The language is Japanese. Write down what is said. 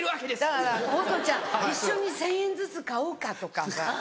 だからホトちゃん「一緒に１０００円ずつ買おうか」とかさ